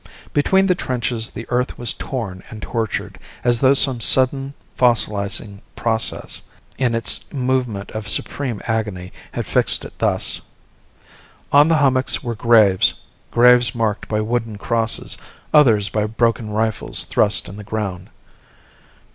Between the trenches the earth was torn and tortured, as though some sudden fossilizing process, in its moment of supreme agony, had fixed it thus. On the hummocks were graves, graves marked by wooden crosses, others by broken rifles thrust in the ground.